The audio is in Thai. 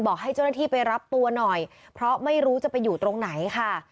ให้เจ้าหน้าที่ไปรับตัวหน่อยเพราะไม่รู้จะไปอยู่ตรงไหนค่ะ